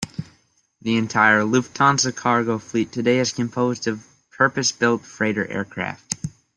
The entire Lufthansa Cargo fleet today is composed of purpose-built freighter aircraft.